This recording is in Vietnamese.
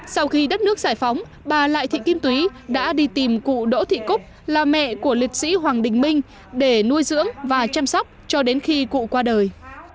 sau khi đất nước giải phóng bà lại thị kim túy đã đi tìm cụ đỗ thị cúc là mẹ của liệt sĩ hoàng đình minh để nuôi dưỡng và chăm sóc cho đến khi cụ qua đời